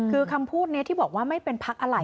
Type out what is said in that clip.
คือคำพูดนี้ที่บอกว่าไม่เป็นพักอะไร